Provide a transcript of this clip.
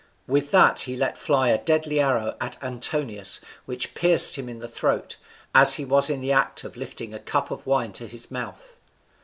With that he let fly a deadly arrow at Antinous, which pierced him in the throat, as he was in the act of lifting a cup of wine to his mouth.